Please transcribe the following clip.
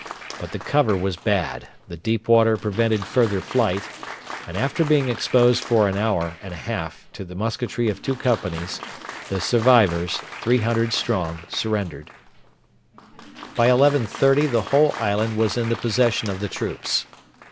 But the cover was bad, the deep water prevented further flight, and, after being exposed for an hour and a half to the musketry of two companies, the survivors 300 strong surrendered. By 11.30 the whole island was in the possession of the troops.